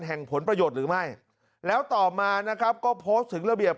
ผลประโยชน์หรือไม่แล้วต่อมานะครับก็โพสต์ถึงระเบียบ